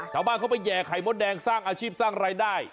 ชาวบ้านเขาไปแห่ไข่มดแดงสร้างอาชีพสร้างรายได้